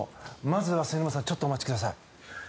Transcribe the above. まずはちょっとお待ちください。